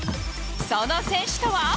その選手とは。